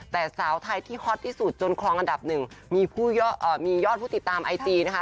แต่สาวไทยที่ฮอตที่สุดจนคลองอันดับหนึ่งมียอดผู้ติดตามไอจีนะคะ